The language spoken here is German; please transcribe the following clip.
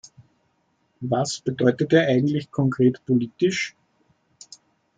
Was bedeutet er eigentlich konkret politisch?